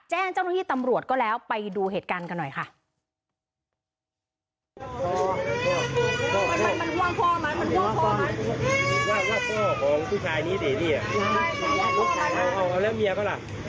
แจ้งเจ้าหน้าที่ตำรวจก็แล้วไปดูเหตุการณ์กันหน่อยค่ะ